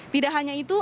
tidak hanya itu